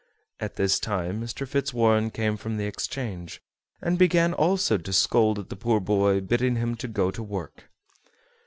At this time Mr. Fitzwarren came from the Exchange, and began also to scold at the poor boy, bidding him to go to work.